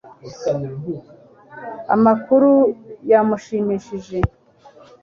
amakuru yamushimishije